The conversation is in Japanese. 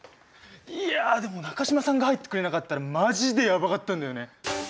いやあでも中島さんが入ってくれなかったらマジでやばかったんだよね。